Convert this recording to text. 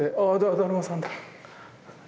だるまさん。